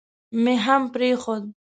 مې هم پرېښود.